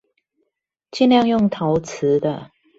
盡量用陶瓷的